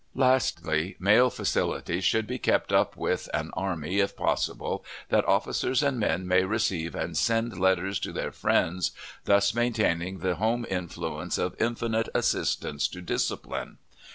Lastly, mail facilities should be kept up with an army if possible, that officers and men may receive and send letters to their friends, thus maintaining the home influence of infinite assistance to discipline.